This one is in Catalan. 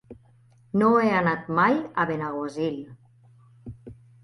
No he anat mai a Benaguasil.